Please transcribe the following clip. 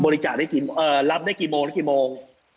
รับได้กี่โมงหรือกี่โมง